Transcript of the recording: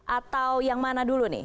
atau yang mana dulu nih